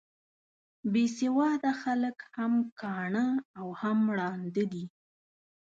بې سواده خلک هم کاڼه او هم ړانده دي.